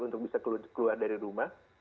untuk bisa keluar dari rumah